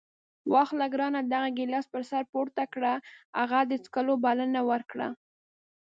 واخله ګرانه دغه ګیلاس پر سر پورته کړه. هغه د څښلو بلنه ورکړه.